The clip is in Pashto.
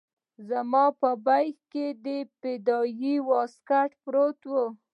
زما په بېګ کښې فدايي واسکټ پروت و.